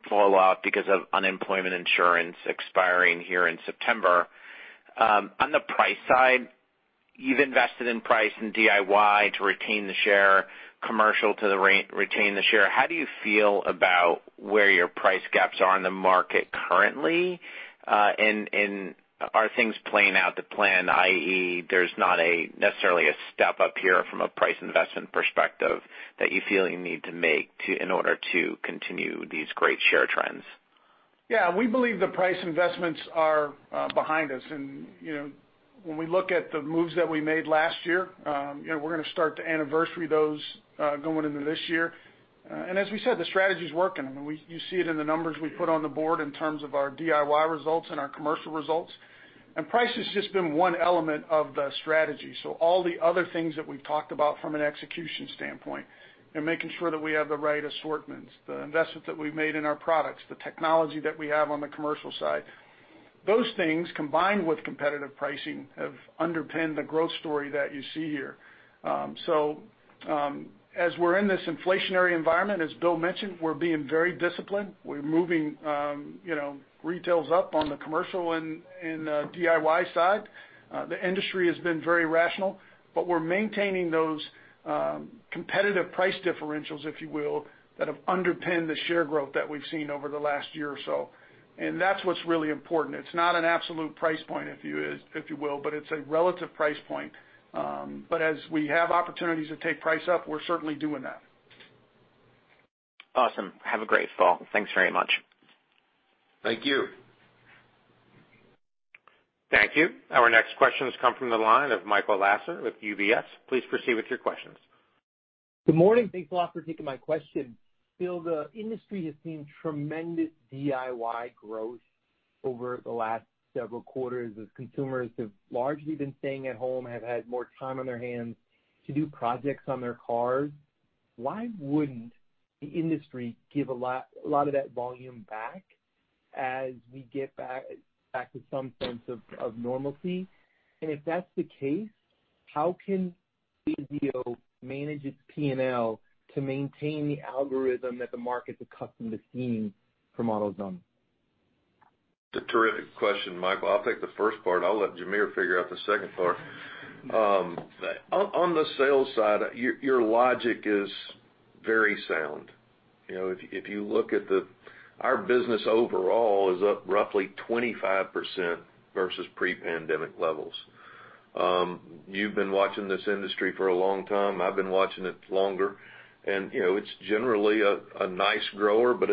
fall off because of unemployment insurance expiring here in September. On the price side, you've invested in price and DIY to retain the share, commercial to retain the share. How do you feel about where your price gaps are in the market currently? Are things playing out to plan, i.e., there's not necessarily a step up here from a price investment perspective that you feel you need to make in order to continue these great share trends? Yeah, we believe the price investments are behind us. When we look at the moves that we made last year, we're going to start to anniversary those going into this year. As we said, the strategy's working. You see it in the numbers we put on the board in terms of our DIY results and our commercial results. Price has just been one element of the strategy. All the other things that we've talked about from an execution standpoint, and making sure that we have the right assortments, the investment that we've made in our products, the technology that we have on the commercial side, those things, combined with competitive pricing, have underpinned the growth story that you see here. As we're in this inflationary environment, as Bill mentioned, we're being very disciplined. We're moving retails up on the commercial and DIY side. The industry has been very rational. We're maintaining those competitive price differentials, if you will, that have underpinned the share growth that we've seen over the last year or so. That's what's really important. It's not an absolute price point, if you will, but it's a relative price point. As we have opportunities to take price up, we're certainly doing that. Awesome. Have a great fall. Thanks very much. Thank you. Thank you. Our next questions come from the line of Michael Lasser with UBS. Please proceed with your questions. Good morning. Thanks a lot for taking my question. Bill, the industry has seen tremendous DIY growth over the last several quarters as consumers have largely been staying at home, have had more time on their hands to do projects on their cars. Why wouldn't the industry give a lot of that volume back as we get back to some sense of normalcy? If that's the case, how can AutoZone manage its P&L to maintain the algorithm that the market's accustomed to seeing from AutoZone? It's a terrific question, Michael. I'll take the first part. I'll let Jamere figure out the second part. On the sales side, your logic is very sound. If you look at our business overall is up roughly 25% versus pre-pandemic levels. You've been watching this industry for a long time. I've been watching it longer. It's generally a nice grower, but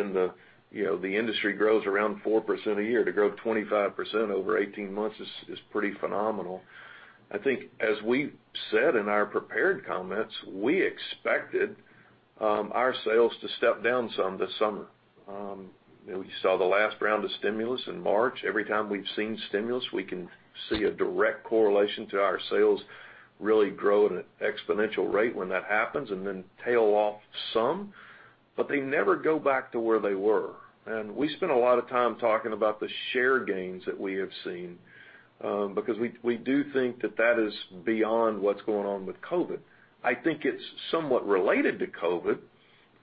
the industry grows around 4% a year. To grow 25% over 18 months is pretty phenomenal. I think as we said in our prepared comments, we expected our sales to step down some this summer. We saw the last round of stimulus in March. Every time we've seen stimulus, we can see a direct correlation to our sales really grow at an exponential rate when that happens and then tail off some, but they never go back to where they were. We spent a lot of time talking about the share gains that we have seen because we do think that that is beyond what's going on with COVID. I think it's somewhat related to COVID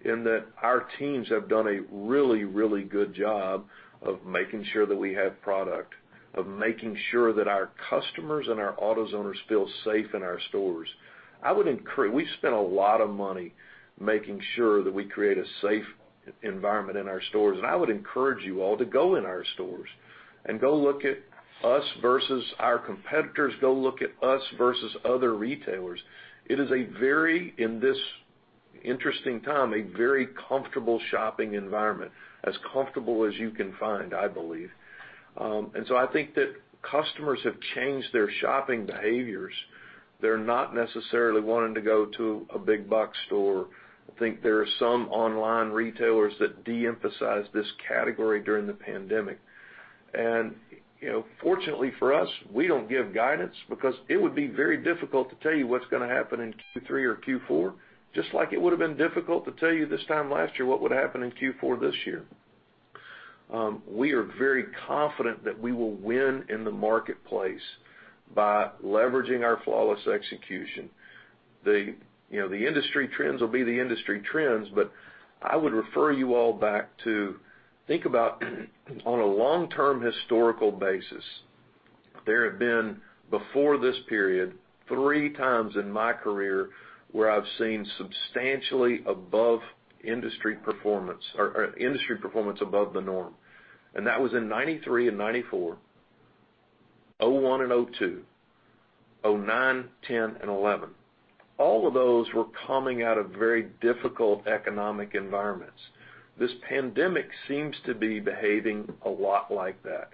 in that our teams have done a really, really good job of making sure that we have product, of making sure that our customers and our AutoZoners feel safe in our stores. We've spent a lot of money making sure that we create a safe environment in our stores. I would encourage you all to go in our stores and go look at us versus our competitors. Go look at us versus other retailers. It is a very, in this interesting time, a very comfortable shopping environment, as comfortable as you can find, I believe. I think that customers have changed their shopping behaviors. They're not necessarily wanting to go to a big box store. I think there are some online retailers that de-emphasized this category during the pandemic. Fortunately for us, we don't give guidance because it would be very difficult to tell you what's going to happen in Q3 or Q4, just like it would have been difficult to tell you this time last year what would happen in Q4 this year. We are very confident that we will win in the marketplace by leveraging our flawless execution. The industry trends will be the industry trends, but I would refer you all back to think about on a long-term historical basis. There have been, before this period, three times in my career where I've seen substantially above industry performance or industry performance above the norm, and that was in 1993 and 1994, 2001 and 2002, 2009, 2010, and 2011. All of those were coming out of very difficult economic environments. This pandemic seems to be behaving a lot like that,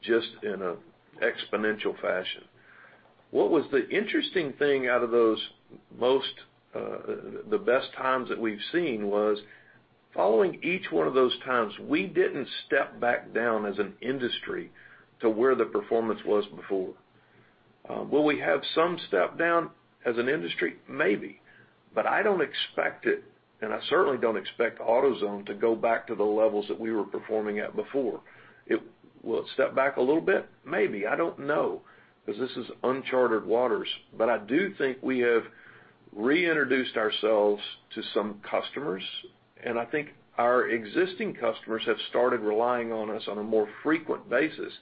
just in an exponential fashion. What was the interesting thing out of the best times that we've seen was following each one of those times, we didn't step back down as an industry to where the performance was before. Will we have some step down as an industry? Maybe, but I don't expect it, and I certainly don't expect AutoZone to go back to the levels that we were performing at before. Will it step back a little bit? Maybe. I don't know because this is uncharted waters. I do think we have reintroduced ourselves to some customers, and I think our existing customers have started relying on us on a more frequent basis.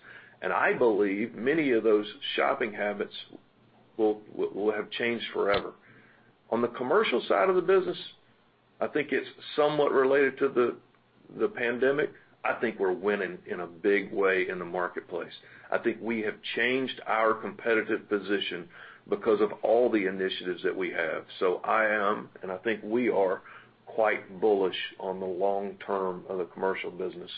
I believe many of those shopping habits will have changed forever. On the commercial side of the business, I think it's somewhat related to the pandemic. I think we're winning in a big way in the marketplace. I think we have changed our competitive position because of all the initiatives that we have. I am, and I think we are quite bullish on the long term of the commercial business.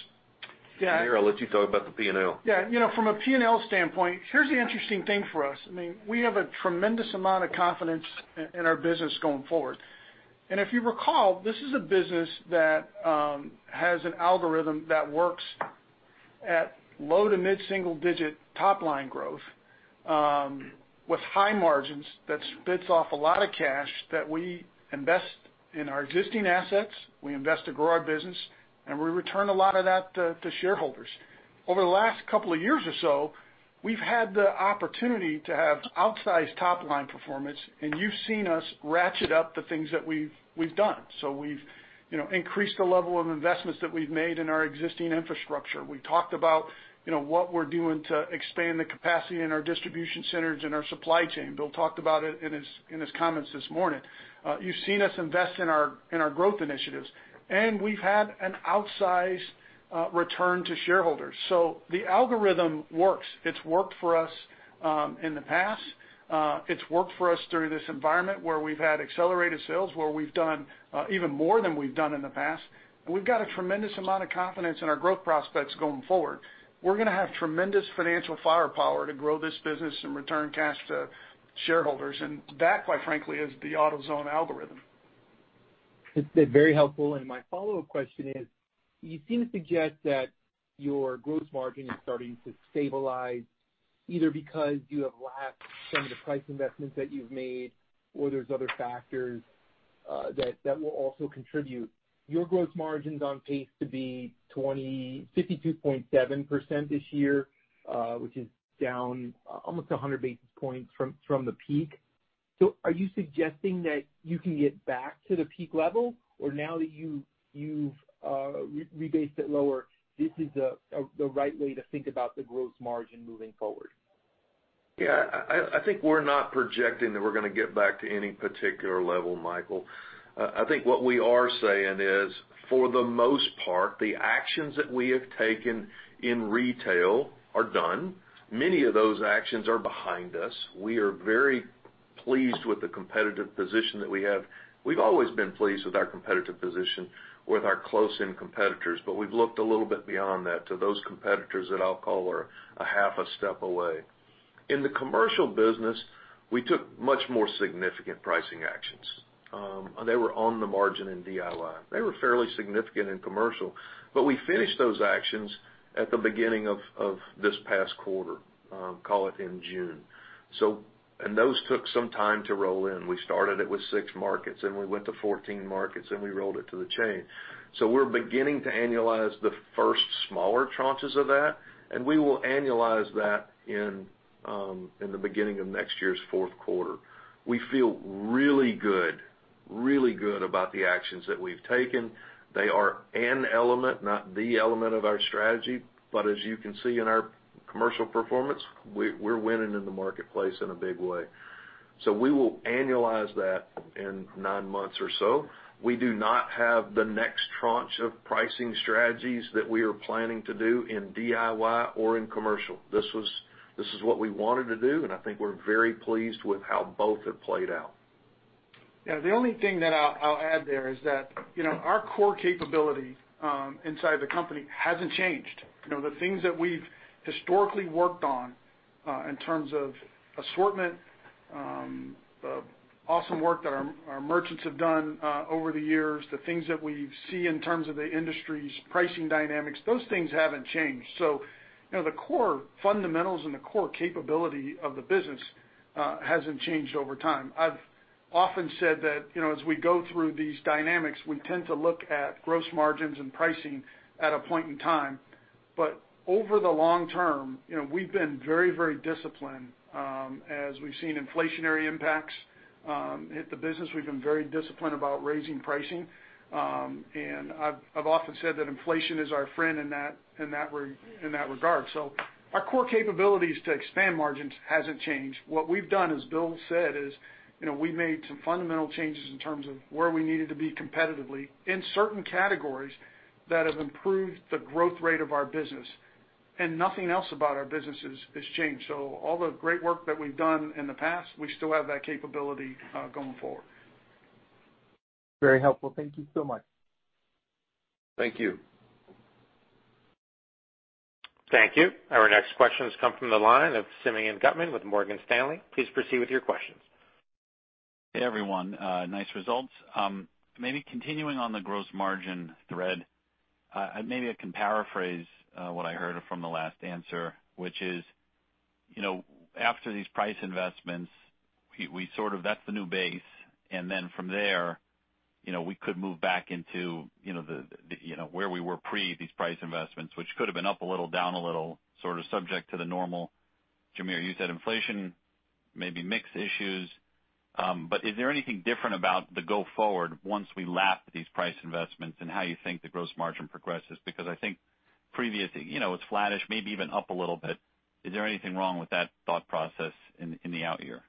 Jamere, I'll let you talk about the P&L. Yeah. From a P&L standpoint, here's the interesting thing for us. We have a tremendous amount of confidence in our business going forward. If you recall, this is a business that has an algorithm that works at low to mid-single digit top line growth, with high margins that spits off a lot of cash that we invest in our existing assets, we invest to grow our business, and we return a lot of that to shareholders. Over the last couple of years or so, we've had the opportunity to have outsized top-line performance, and you've seen us ratchet up the things that we've done. We've increased the level of investments that we've made in our existing infrastructure. We talked about what we're doing to expand the capacity in our distribution centers and our supply chain. Bill talked about it in his comments this morning. You've seen us invest in our growth initiatives, and we've had an outsized return to shareholders. The algorithm works. It's worked for us in the past. It's worked for us through this environment where we've had accelerated sales, where we've done even more than we've done in the past, and we've got a tremendous amount of confidence in our growth prospects going forward. We're gonna have tremendous financial firepower to grow this business and return cash to shareholders, and that, quite frankly, is the AutoZone algorithm. It's been very helpful. My follow-up question is, you seem to suggest that your gross margin is starting to stabilize, either because you have lapped some of the price investments that you've made or there's other factors that will also contribute. Your gross margin's on pace to be 52.7% this year, which is down almost 100 basis points from the peak. Are you suggesting that you can get back to the peak level, or now that you've rebased it lower, this is the right way to think about the gross margin moving forward? Yeah. I think we're not projecting that we're gonna get back to any particular level, Michael Lasser. I think what we are saying is, for the most part, the actions that we have taken in retail are done. Many of those actions are behind us. We are very pleased with the competitive position that we have. We've always been pleased with our competitive position with our close-in competitors, we've looked a little bit beyond that to those competitors that I'll call are a half a step away. In the commercial business, we took much more significant pricing actions. They were on the margin in DIY. They were fairly significant in commercial, we finished those actions at the beginning of this past quarter, call it in June. Those took some time to roll in. We started it with six markets, then we went to 14 markets, and we rolled it to the chain. We're beginning to annualize the first smaller tranches of that, and we will annualize that in the beginning of next year's fourth quarter. We feel really good about the actions that we've taken. They are an element, not the element of our strategy, but as you can see in our commercial performance, we're winning in the marketplace in a big way. We will annualize that in nine months or so. We do not have the next tranche of pricing strategies that we are planning to do in DIY or in commercial. This is what we wanted to do, and I think we're very pleased with how both have played out. The only thing that I'll add there is that our core capability inside the company hasn't changed. The things that we've historically worked on, in terms of assortment, the awesome work that our merchants have done over the years, the things that we see in terms of the industry's pricing dynamics, those things haven't changed. The core fundamentals and the core capability of the business hasn't changed over time. I've often said that as we go through these dynamics, we tend to look at gross margins and pricing at a point in time. Over the long term, we've been very disciplined. As we've seen inflationary impacts hit the business, we've been very disciplined about raising pricing. I've often said that inflation is our friend in that regard. Our core capabilities to expand margins hasn't changed. What we've done, as Bill said, is we made some fundamental changes in terms of where we needed to be competitively in certain categories that have improved the growth rate of our business. Nothing else about our businesses has changed. All the great work that we've done in the past, we still have that capability going forward. Very helpful. Thank you so much. Thank you. Thank you. Our next question has come from the line of Simeon Gutman with Morgan Stanley. Please proceed with your questions. Hey, everyone. Nice results. Continuing on the gross margin thread. I can paraphrase what I heard from the last answer, which is after these price investments, that's the new base, and then from there, we could move back into where we were pre these price investments, which could have been up a little, down a little, sort of subject to the normal, Jamere, you said inflation, maybe mix issues. Is there anything different about the go forward once we lap these price investments and how you think the gross margin progresses? I think previously, it's flattish, maybe even up a little bit. Is there anything wrong with that thought process in the out year?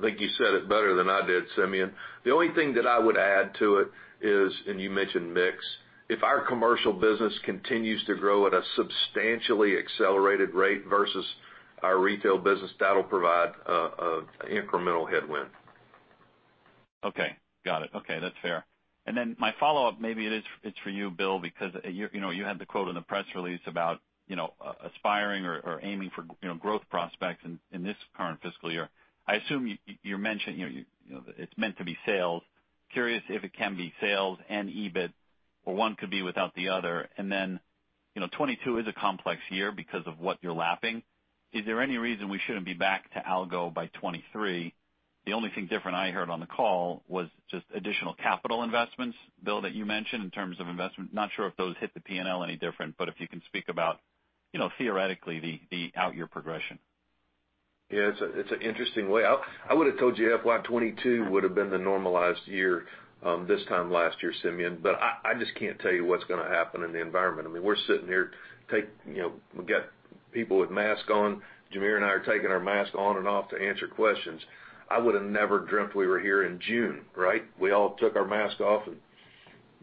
I think you said it better than I did, Simeon. The only thing that I would add to it is, and you mentioned mix, if our commercial business continues to grow at a substantially accelerated rate versus our retail business, that'll provide an incremental headwind. Okay. Got it. Okay. That's fair. My follow-up, maybe it's for you, Bill, because you had the quote in the press release about aspiring or aiming for growth prospects in this current fiscal year. I assume it's meant to be sales. Curious if it can be sales and EBIT or one could be without the other. FY 2022 is a complex year because of what you're lapping. Is there any reason we shouldn't be back to algo by FY 2023? The only thing different I heard on the call was just additional capital investments, Bill, that you mentioned in terms of investment. Not sure if those hit the P&L any different, but if you can speak about theoretically, the outyear progression. It's an interesting way. I would've told you FY22 would've been the normalized year this time last year, Simeon, I just can't tell you what's going to happen in the environment. We're sitting here, we've got people with masks on. Jamere and I are taking our masks on and off to answer questions. I would've never dreamt we were here in June, right? We all took our mask off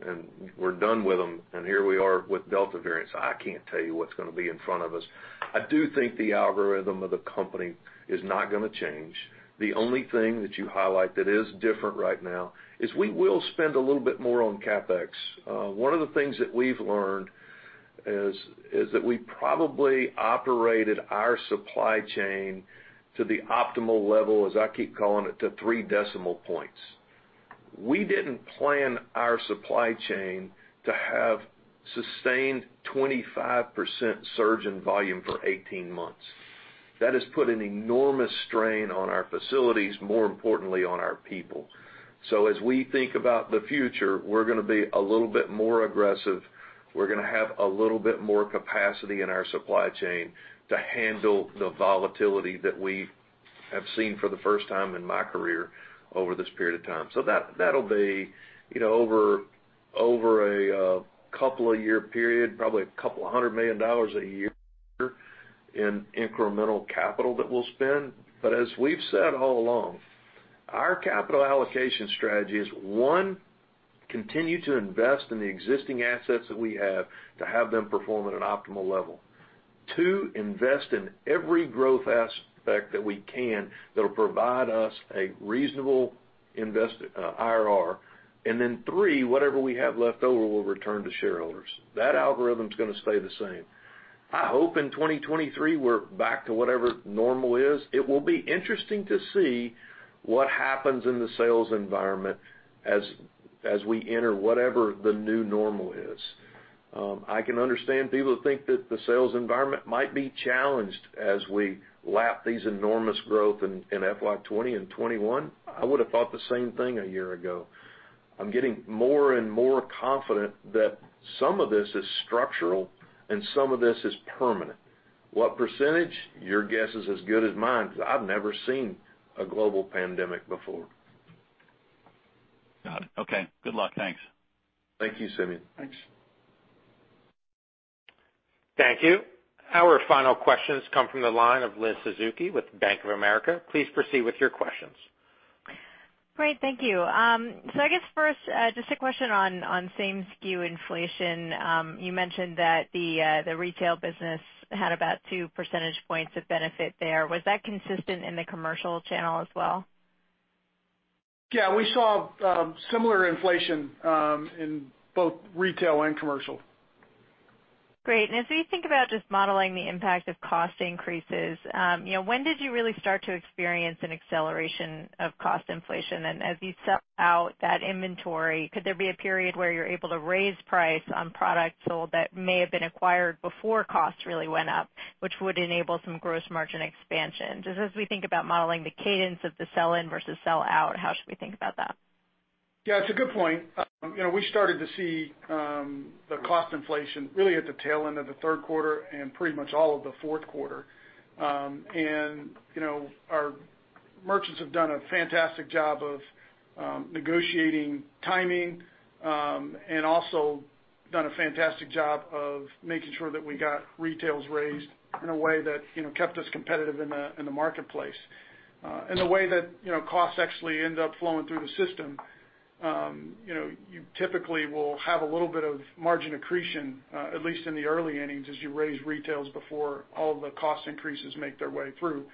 and we're done with them. Here we are with Delta variants. I can't tell you what's going to be in front of us. I do think the algorithm of the company is not going to change. The only thing that you highlight that is different right now is we will spend a little bit more on CapEx. One of the things that we've learned is that we probably operated our supply chain to the optimal level, as I keep calling it, to three decimal points. We didn't plan our supply chain to have sustained 25% surge in volume for 18 months. That has put an enormous strain on our facilities, more importantly on our people. As we think about the future, we're going to be a little bit more aggressive. We're going to have a little bit more capacity in our supply chain to handle the volatility that we have seen for the first time in my career over this period of time. That'll be over a couple of year period, probably a couple of hundred million dollars a year in incremental capital that we'll spend. As we've said all along, our capital allocation strategy is, one, continue to invest in the existing assets that we have to have them perform at an optimal level. two, invest in every growth aspect that we can that'll provide us a reasonable IRR. three, whatever we have left over, we'll return to shareholders. That algorithm's going to stay the same. I hope in 2023, we're back to whatever normal is. It will be interesting to see what happens in the sales environment as we enter whatever the new normal is. I can understand people think that the sales environment might be challenged as we lap these enormous growth in FY20 and FY21. I would've thought the same thing a year ago. I'm getting more and more confident that some of this is structural and some of this is permanent. What percentage? Your guess is as good as mine, because I've never seen a global pandemic before. Got it. Okay. Good luck. Thanks. Thank you, Simeon. Thanks. Thank you. Our final questions come from the line of Elizabeth Suzuki with Bank of America. Please proceed with your questions. Great. Thank you. I guess first, just a question on same-SKU inflation. You mentioned that the retail business had about two percentage points of benefit there. Was that consistent in the commercial channel as well? Yeah. We saw similar inflation in both retail and commercial. Great. As we think about just modeling the impact of cost increases, when did you really start to experience an acceleration of cost inflation? As you sell out that inventory, could there be a period where you're able to raise price on products sold that may have been acquired before costs really went up, which would enable some gross margin expansion? Just as we think about modeling the cadence of the sell-in versus sell out, how should we think about that? It's a good point. We started to see the cost inflation really at the tail end of the third quarter and pretty much all of the fourth quarter. Our merchants have done a fantastic job of negotiating timing, and also done a fantastic job of making sure that we got retails raised in a way that kept us competitive in the marketplace. The way that costs actually end up flowing through the system, you typically will have a little bit of margin accretion, at least in the early innings, as you raise retails before all the cost increases make their way through.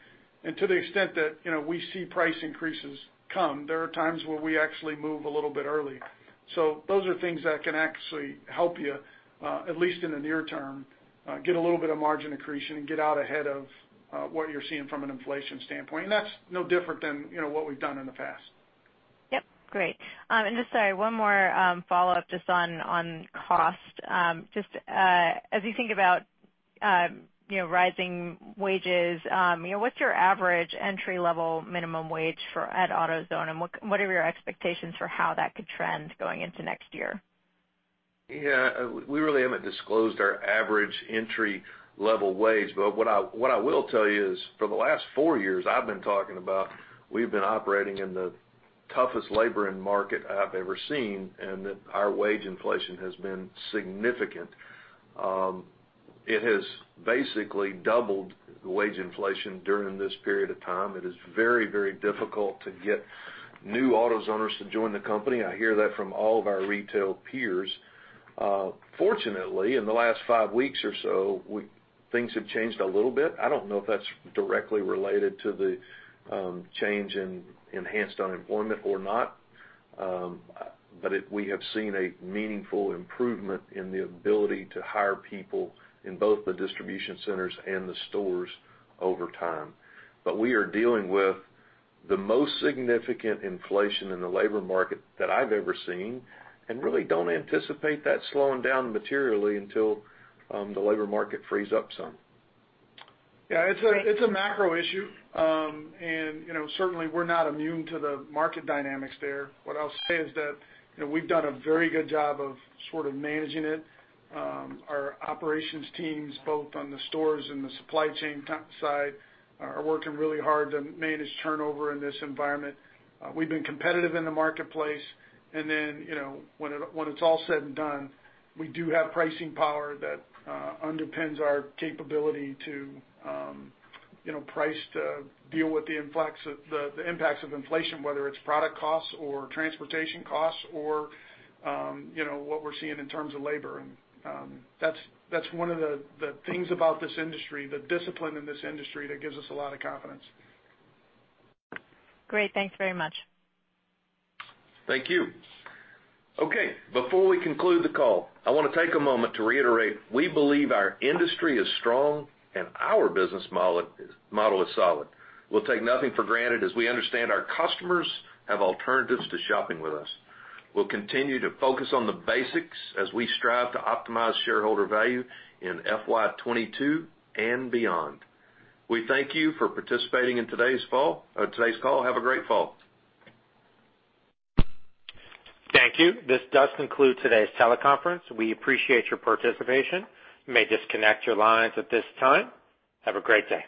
To the extent that we see price increases come, there are times where we actually move a little bit early. Those are things that can actually help you, at least in the near term, get a little bit of margin accretion and get out ahead of what you're seeing from an inflation standpoint. That's no different than what we've done in the past. Yep. Great. Sorry, one more follow-up just on cost. Just as you think about rising wages, what's your average entry-level minimum wage at AutoZone, and what are your expectations for how that could trend going into next year? Yeah. We really haven't disclosed our average entry-level wage, but what I will tell you is for the last four years I've been talking about we've been operating in the toughest labor market I've ever seen, and that our wage inflation has been significant. It has basically doubled the wage inflation during this period of time. It is very difficult to get new AutoZoners to join the company. I hear that from all of our retail peers. Fortunately, in the last five weeks or so, things have changed a little bit. I don't know if that's directly related to the change in enhanced unemployment or not. We have seen a meaningful improvement in the ability to hire people in both the distribution centers and the stores over time. We are dealing with the most significant inflation in the labor market that I've ever seen, and really don't anticipate that slowing down materially until the labor market frees up some. Yeah. It's a macro issue. Certainly, we're not immune to the market dynamics there. What I'll say is that we've done a very good job of sort of managing it. Our operations teams, both on the stores and the supply chain side, are working really hard to manage turnover in this environment. We've been competitive in the marketplace. When it's all said and done, we do have pricing power that underpins our capability to price to deal with the impacts of inflation, whether it's product costs or transportation costs or what we're seeing in terms of labor. That's one of the things about this industry, the discipline in this industry that gives us a lot of confidence. Great. Thanks very much. Thank you. Okay, before we conclude the call, I want to take a moment to reiterate we believe our industry is strong and our business model is solid. We'll take nothing for granted as we understand our customers have alternatives to shopping with us. We'll continue to focus on the basics as we strive to optimize shareholder value in FY22 and beyond. We thank you for participating in today's call. Have a great fall. Thank you. This does conclude today's teleconference. We appreciate your participation. You may disconnect your lines at this time. Have a great day.